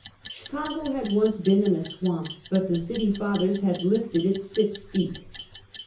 Chicago had once been in a swamp, but the City Fathers had lifted it six feet.